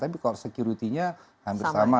tapi kalau securitynya hampir sama